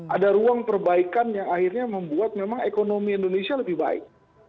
ada ruang perbaikan yang akhirnya membuat memang ekonomi indonesia lebih baik